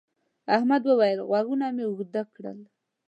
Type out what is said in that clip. احمد وويل: غوږونه مې اوږده کړل.